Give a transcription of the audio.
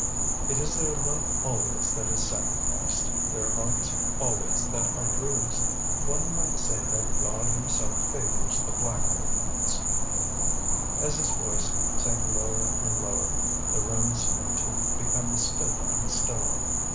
"It is their love always that is sacrificed, their hearts always that are bruised. One might say that God himself favors the black haired ones!" As his voice sank lower and lower, the room seemed to become stiller and stiller.